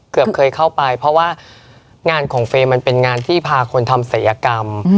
เคยเข้าไปเพราะว่างานของเฟรมมันเป็นงานที่พาคนทำศัยกรรม